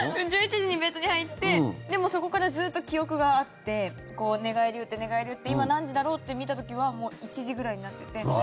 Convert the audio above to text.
１１時にベッドに入ってでもそこからずっと記憶があって寝返り打って、寝返り打って今、何時だろう？って見た時はもう１時ぐらいになってて。